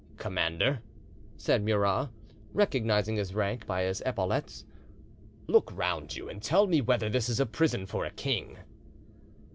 "Commander," said Murat, recognising his rank by his epaulettes, "look round you and tell me whether this is a prison for a king."